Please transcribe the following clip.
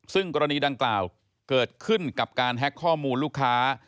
ซึ่งกรณีดังกล่าวเกิดขึ้นกับการแฮ็กข้อมูลลูกค้า